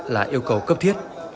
là yêu cầu cấp thiết